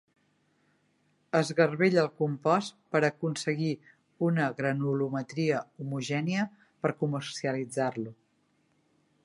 Es garbella el compost per aconseguir una granulometria homogènia per comercialitzar-lo.